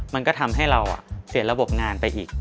มันก็ทำให้เราเสียระบบงานไปอีก